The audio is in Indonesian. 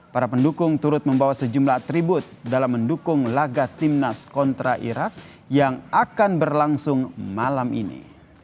para pendukung turut membawa sejumlah atribut dalam mendukung laga timnas kontra irak yang akan berlangsung malam ini